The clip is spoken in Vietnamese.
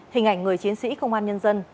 hình ảnh người chiến sĩ công an nhân dân